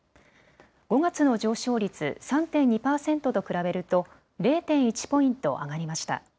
５月の上昇率、３．２％と比べると０．１ポイント上がりました。